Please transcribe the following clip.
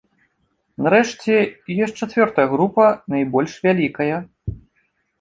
Нарэшце, ёсць чацвёртая група, найбольш вялікая.